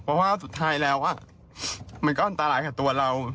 เพราะว่าสุดท้ายแล้วมันก็อันตรายกับตัวเรา